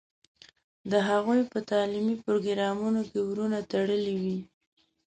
د هغوی په تعلیمي پروګرامونو کې ورونه تړلي وي.